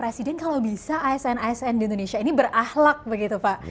presiden kalau bisa asn asn di indonesia ini berahlak begitu pak